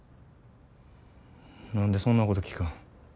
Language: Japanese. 何でそんなこと聞くん。